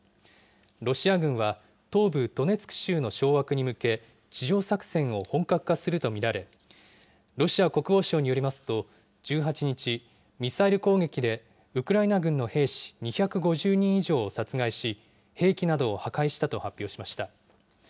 ロシア軍は、東部ドネツク州の掌握に向け、地上作戦を本格化すると見られ、ロシア国防省によりますと、１８日、ミサイル攻撃でウクライナ軍の兵士２５０人以上を殺害し、兵器などを破壊したと発表しました。